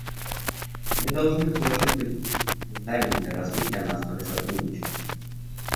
Мы должны заложить политический фундамент для развития на основе сотрудничества.